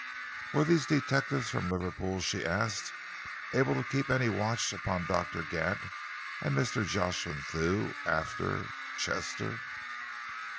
"Were these detectives from Liverpool," she asked, "able to keep any watch upon Doctor Gant and Mr. Jocelyn Thew after Chester?"